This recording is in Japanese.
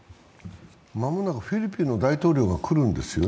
間もなくフィリピンの大統領が来るんですよね。